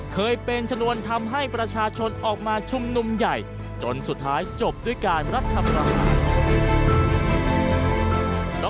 เคยเป็นชนวนทำให้ประชาชนออกมาชุมนุมใหญ่จนสุดท้ายจบด้วยการรัฐประหาร